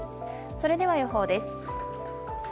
それでは予報です。